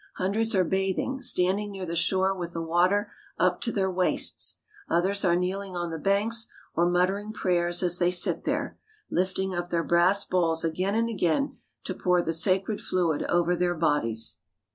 Hundreds are bathing, standing near the shore with the water up to their waists. Others are kneeling on the banks, or muttering prayers as they sit there ; Hfting up their brass bowls again and again to pour the sacred fluid over their bodies.